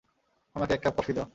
আমাকে এককাপ কফি দাও।